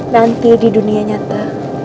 nanti di dunia nyata